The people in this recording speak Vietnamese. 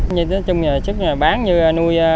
nhưng chung là trước bán như nuôi